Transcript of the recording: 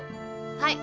はい。